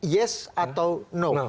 yes atau no